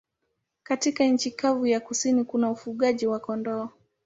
Katika nchi kavu ya kusini kuna ufugaji wa kondoo.